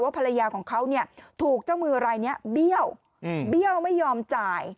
ว่าภรรยาของเขาถูกเจ้ามือรายนี้เบี้ยวไม่ยอมจ่าย